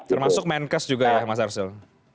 termasuk menkes juga ya mas arsul